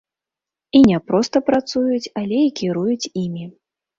І не проста працуюць, але і кіруюць імі.